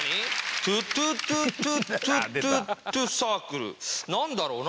「トゥトゥトゥトゥトゥトゥトゥサークル」なんだろうな？